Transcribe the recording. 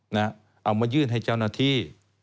เอามายื่นให้เจ้าหน้าที่